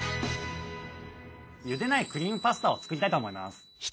ゆでないクリームパスタを作りたいと思います。